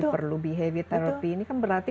perlu behavior therapy ini kan berarti